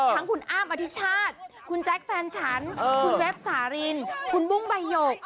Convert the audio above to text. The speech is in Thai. ทั้งคุณอ้ามอธิชาติคุณแจ๊คแฟนฉันคุณเว็บสารินคุณบุ้งใบหยก